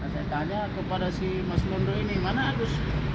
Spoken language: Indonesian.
saya tanya kepada si mas londo ini mana agus